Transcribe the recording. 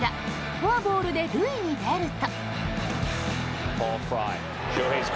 フォアボールで塁に出ると。